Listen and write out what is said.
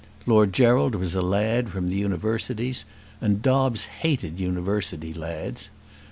Lord Gerald was a lad from the Universities; and Dobbes hated University lads.